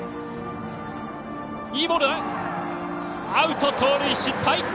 アウト、盗塁失敗。